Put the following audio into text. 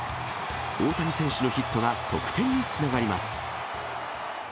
大谷選手のヒットが得点につながります。